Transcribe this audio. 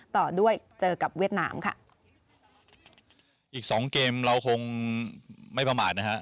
ต่อด้วยเจอกับเวียดนามค่ะอีกสองเกมเราคงไม่ประมาทนะฮะ